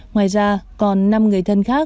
ngoài ra còn năm người thân khác